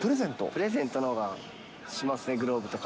プレゼントのほうがしますね、へー。